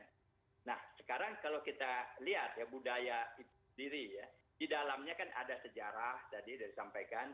iya nah sekarang kalau kita lihat ya budaya diri ya di dalamnya kan ada sejarah tadi disampaikan